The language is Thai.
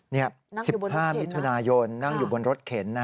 นี่ค่ะนั่งอยู่บนรถเข็น๑๕มิถุนายนนั่งอยู่บนรถเข็น